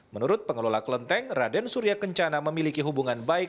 menurut pengelola kelenteng raden surya kencana memiliki hubungan baik